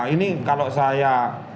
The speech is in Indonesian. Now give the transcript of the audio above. ini kalau saya